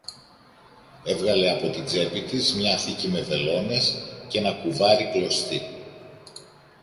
Έβγαλε από την τσέπη της μια θήκη με βελόνες κι ένα κουβάρι κλωστή